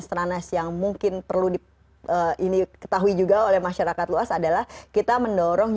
stranas yang mungkin perlu di ini ketahui juga oleh masyarakat luas adalah kita mendorong